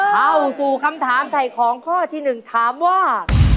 เข้าสู่คำถามถ่ายของข้อที่๑ถามว่า